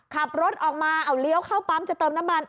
ขับรถออกมาเอาเลี้ยวเข้าปั๊มจะเติมน้ำมัน